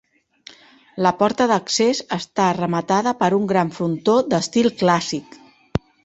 La porta d'accés està rematada per un gran frontó d'estil clàssic.